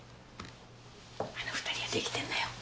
あの２人はデキてんのよ。